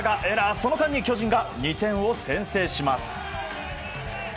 その間に巨人が２点を先制します。